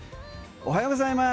おはようございます。